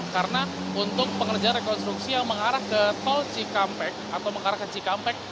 karena untuk pengerjaan rekonstruksi yang mengarah ke tol cikampek atau mengarah ke cikampek